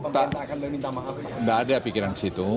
tidak ada pikiran di situ